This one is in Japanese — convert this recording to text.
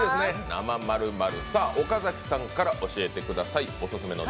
生○○、岡崎さんから教えてください。